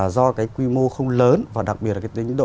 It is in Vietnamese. do cái quy mô không lớn và đặc biệt là cái tính độ